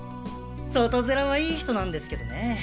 外面はいい人なんですけどね。